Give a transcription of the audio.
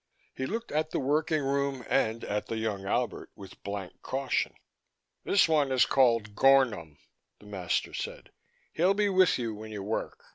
He looked at the working room and at the young Albert with blank caution. "This one is called Gornom," the master said. "He'll be with you when you work.